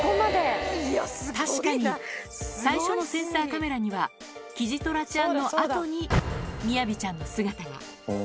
確かに最初のセンサーカメラには、キジトラちゃんのあとに、みやびちゃんの姿が。